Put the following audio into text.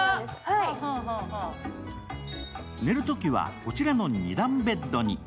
寝るときはこちらの二段ベッドに。